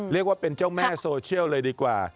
เรียกว่าเป็นเจ้าแม่โซเชียลเลยดีกว่า